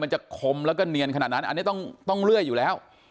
จะคมแล้วก็เนียนขนาดนั้นอันนี้ต้องเลื่อยอยู่แล้ว